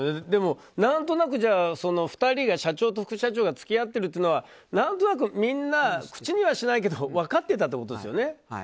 でも、何となく社長と副社長２人が付き合ってるというのは何となくみんな口にはしないけど分かってたってことですよね。